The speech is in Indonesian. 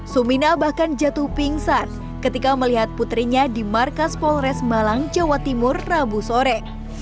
sumina bahkan jatuh pingsan ketika melihat putrinya di markas polres malang jawa timur rabu sore